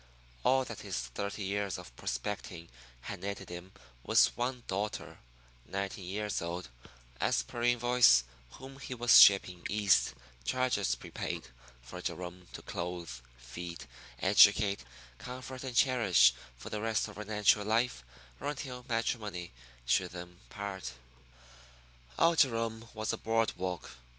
All that his thirty years of prospecting had netted him was one daughter, nineteen years old, as per invoice, whom he was shipping East, charges prepaid, for Jerome to clothe, feed, educate, comfort, and cherish for the rest of her natural life or until matrimony should them part. Old Jerome was a board walk.